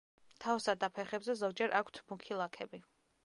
თავსა და ფეხებზე ზოგჯერ აქვთ მუქი ლაქები.